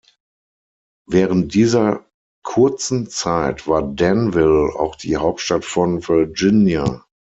Während dieser kurzen Zeit war Danville auch die Hauptstadt von Virginia.